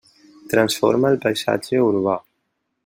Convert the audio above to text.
Transforma el paisatge urbà.